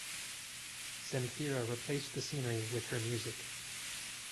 Zemfira replaced the scenery with her music.